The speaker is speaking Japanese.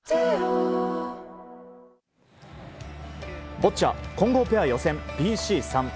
ボッチャ混合ペア予選ＢＣ３。